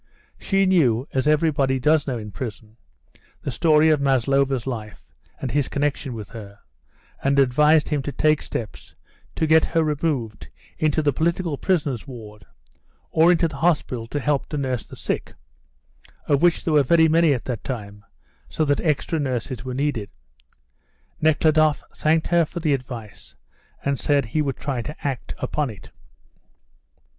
She knew, as everybody does know in prison, the story of Maslova's life and his connection with her, and advised him to take steps to get her removed into the political prisoner's ward, or into the hospital to help to nurse the sick, of which there were very many at that time, so that extra nurses were needed. Nekhludoff thanked her for the advice, and said he would try to act upon it.